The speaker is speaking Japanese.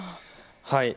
はい。